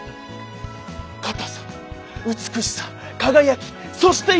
硬さ美しさ輝きそして意外性！